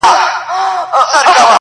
د انصاف په تله خپل او پردي واړه ,